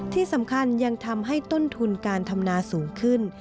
ที่สำคัญยังทำให้ต้นทุนการทำนาสูงขึ้น